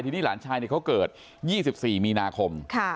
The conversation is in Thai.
ทีนี้หลานชายเขาเกิด๒๔มีนาคม